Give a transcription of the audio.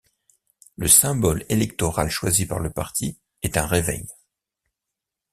Le symbole électoral choisi par le parti est un réveil.